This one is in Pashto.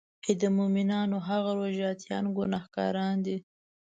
آی مومنانو هغه روژه تیان ګناهګاران دي.